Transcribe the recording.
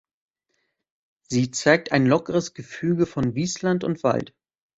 Sie zeigt ein lockeres Gefüge von Wiesland und Wald.